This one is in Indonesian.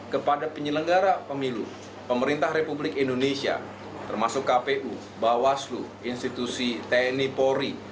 kepada penyelenggara pemilu pemerintah republik indonesia termasuk kpu bawaslu institusi tni polri